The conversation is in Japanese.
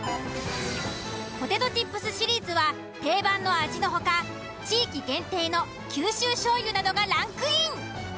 ポテトチップスシリーズは定番の味の他地域限定の九州しょうゆなどがランクイン。